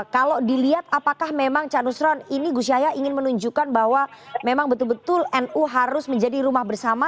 kalau dilihat apakah memang ca nusron ini gus yahya ingin menunjukkan bahwa memang betul betul nu harus menjadi rumah bersama